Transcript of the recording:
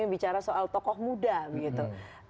bicara soal tokoh muda begitu